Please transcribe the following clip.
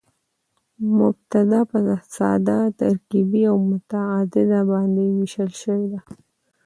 مبتداء په ساده، ترکیبي او متعدده باندي وېشل سوې ده.